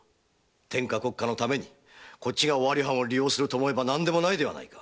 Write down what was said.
天下国家のためにこっちが尾張藩を利用すると思えば何でもないではないか！